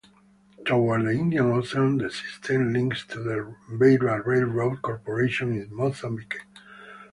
Toward the Indian ocean the system links to the Beira Railroad Corporation in Mozambique.